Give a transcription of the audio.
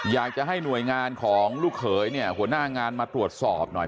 อยากจะให้หน่วยงานของลูกเขยเนี่ยหัวหน้างานมาตรวจสอบหน่อย